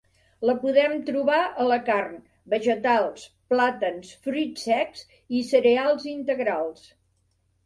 La podem trobar a la carn, vegetals, plàtans, fruits secs i cereals integrals.